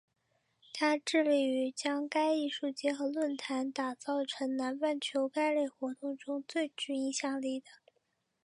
它致力于将该艺术节和论坛打造成南半球该类活动中最具影响力的。